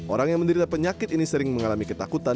orang yang menderita penyakit ini sering mengalami ketakutan